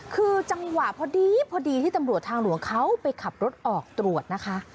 คือจังหวะพอดีพอดีที่ตำรวจทางหลวงเขาไปขับรถออกตรวจนะคะ